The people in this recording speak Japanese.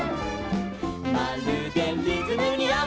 「まるでリズムにあわせて」